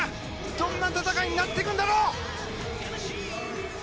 どんな戦いになっていくんだろう！